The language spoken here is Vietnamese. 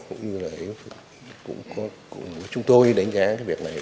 cũng như là chúng tôi đánh giá cái việc này